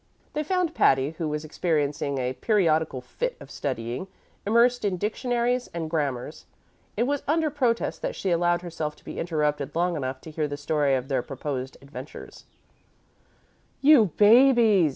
They found Patty, who was experiencing a periodical fit of studying, immersed in dictionaries and grammars. It was under protest that she allowed herself to be interrupted long enough to hear the story of their proposed adventure. "You babies!"